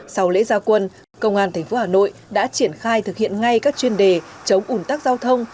sau lễ gia quân công an tp hà nội đã triển khai thực hiện ngay các chuyên đề chống ủn tắc giao thông